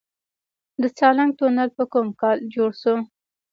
د سالنګ تونل په کوم کال جوړ شو؟